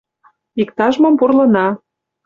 Иктаж-мом пурлына.